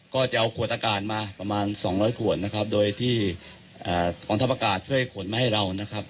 ก็จะเอาขวดอากาศมาประมาณสองร้อยขวดนะครับโดยที่กองทัพอากาศช่วยขนมาให้เรานะครับ